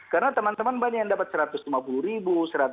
karena teman teman banyak yang dapat rp satu ratus lima puluh rp seratus